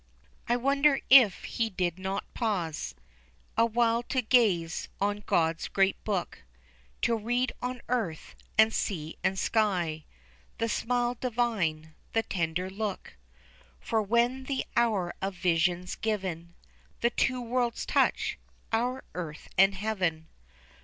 I wonder if he did not pause Awhile to gaze on God's great book, To read on earth, and sea, and sky, The smile divine, the tender look; For when the hour of vision's given, The two worlds touch our earth and heaven.